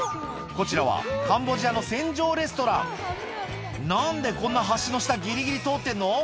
こちらはカンボジアの船上レストラン何でこんな橋の下ギリギリ通ってんの？